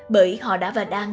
bởi họ đã và đang